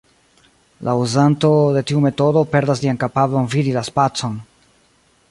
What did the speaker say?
La uzanto de tiu metodo perdas lian kapablon vidi la spacon.